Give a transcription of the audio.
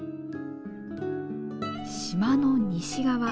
島の西側。